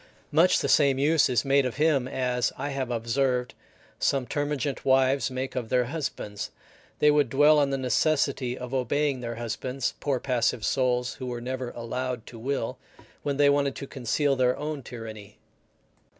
Much the same use is made of him as, I have observed, some termagant wives make of their husbands; they would dwell on the necessity of obeying their husbands, poor passive souls, who never were allowed to will, when they wanted to conceal their own tyranny.